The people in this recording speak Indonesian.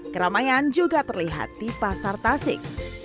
keramaian juga terlihat di pasar tasik